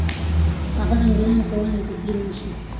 هغه د انګریزانو په وړاندې تسلیم نه شو.